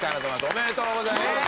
おめでとうございます。